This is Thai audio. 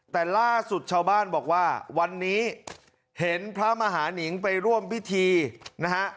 แต่ล่าสุดชาวบ้านบอกว่าวันนี้เห็นพระมหานิงไปร่วมพิธีนะฮะ